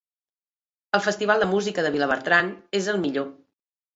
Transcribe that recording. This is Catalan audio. El Festival de Música de Vilabertran és el millor.